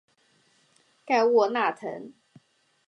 盖沃纳滕。